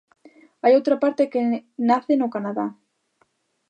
Hai outra parte que nace no Canadá.